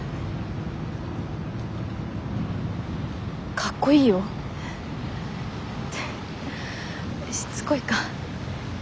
かっこいいよ。ってしつこいか。